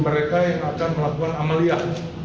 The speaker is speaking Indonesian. mereka yang akan melakukan amalia